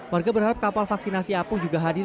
warga berharap kapal vaksinasi apung juga hadir